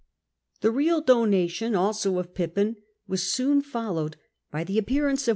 The real donation also of Pippin was soon followed by the appearance oS.